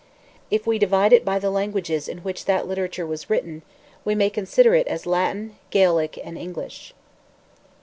If we divide it by the languages in which that literature was written, we may consider it as Latin, Gaelic, and English.